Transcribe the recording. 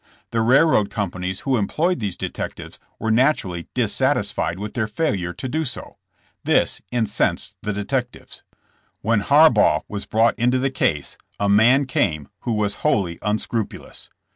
The railroad companies who employed these detec tives, were naturally dissatisfied with their failure to do so. This incensed the detectives. When Har baugh was brought into the case a man came who was wholly unscrupulous.